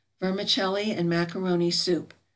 =Vermicelli and Macaroni Soup.